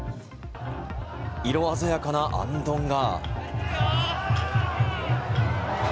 色鮮やかなあんどんが。